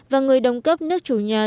và người đồng cấp nước chủ nhà